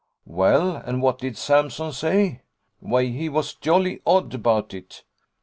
"Well, and what did Sampson say?" "Why, he was jolly odd about it.